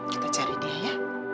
kita cari dia ya